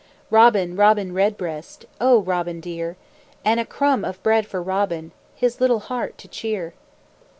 Robin, Robin Redbreast, O Robin dear! And a crumb of bread for Robin, His little heart to cheer!